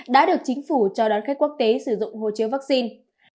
đã được chính phủ cho đón khách quốc tế sử dụng hộ chiếu vaccine